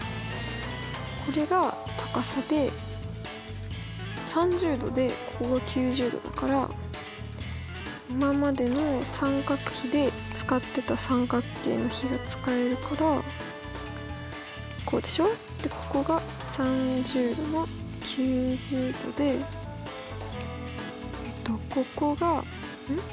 これが高さで３０°でここが９０°だから今までの三角比で使ってた三角形の比が使えるからこうでしょでここが３０°が９０°でここがん？